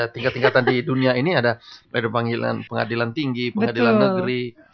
tingkat tingkatan di dunia ini ada panggilan pengadilan tinggi pengadilan negeri